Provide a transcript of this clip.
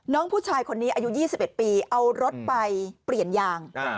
น้องผู้ชายคนนี้อายุ๒๑ปีเอารถไปเปลี่ยนยาง